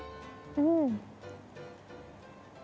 うん！